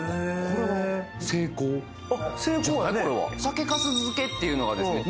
これは酒粕漬けっていうのがですね